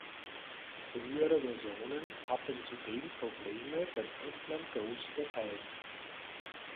Frühere Versionen hatten zudem Probleme beim Öffnen großer Dateien.